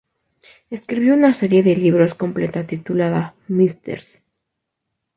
Escribió una serie de libros completa titulada "Mrs.